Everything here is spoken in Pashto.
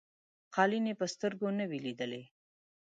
قالیني په سترګو نه وې لیدلي.